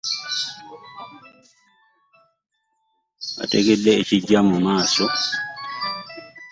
Wetegedde ekijja mu maaso?